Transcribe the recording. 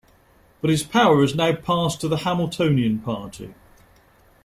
But his power had now passed to the Hamiltonian party.